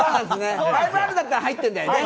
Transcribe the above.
５Ｒだったら入ってるんだよね。